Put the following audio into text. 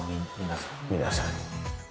皆さんに。